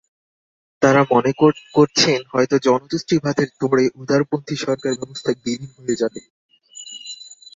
তাঁরা মনে করছেন, হয়তো জনতুষ্টিবাদের তোড়ে উদারপন্থী সরকারব্যবস্থা বিলীন হয়ে যাবে।